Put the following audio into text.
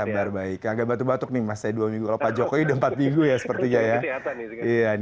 kabar baik agak batuk batuk nih mas saya dua minggu kalau pak jokowi udah empat minggu ya sepertinya ya